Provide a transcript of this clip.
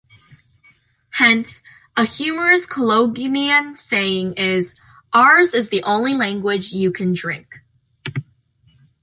Hence, a humorous Colognian saying is: Ours is the only language you can drink!